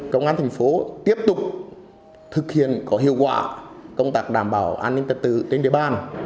công an thành phố tiếp tục thực hiện có hiệu quả công tác đảm bảo an ninh trật tự trên địa bàn